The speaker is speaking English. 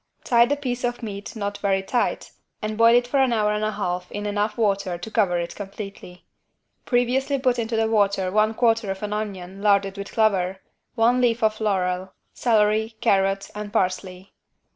Tie the piece of meat not very tight and boil it for an hour and a half in enough water to cover it completely. Previously put into the water one quarter of an onion larded with clover, one leaf of laurel, celery, carrot and parsley.